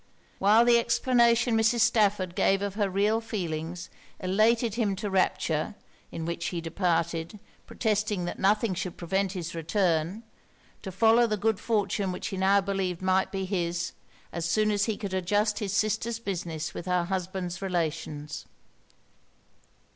While the explanation Mrs. Stafford gave of her real feelings, elated him to rapture, in which he departed, protesting that nothing should prevent his return, to follow the good fortune which he now believed might be his, as soon as he could adjust his sister's business with her husband's relations.